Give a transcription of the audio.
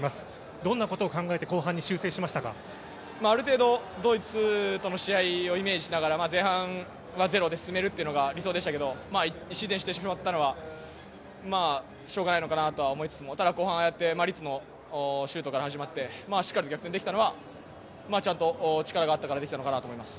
どんなこと考えてある程度ドイツとの試合をイメージしながら前半は０で進めるというのが理想でしたけど１失点してしまったのはしょうがないのかなと思いつつもただ後半、ああやって律のシュートから始まってしっかり逆転できたのはちゃんと力があったからできたのかなと思います。